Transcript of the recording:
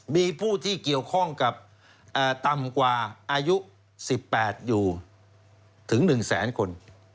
มีผู้ที่เกี่ยวข้องกับต่ำกว่าอายุ๑๘อยู่ถึง๑แสนคน